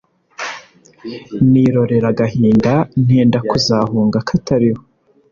nirorera agahinda ntenda kuzahunga katariho